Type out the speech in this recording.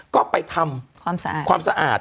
ก็ไปทำความสะอาด